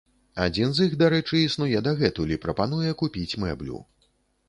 Адзін з іх, дарэчы, існуе дагэтуль і прапануе купіць мэблю.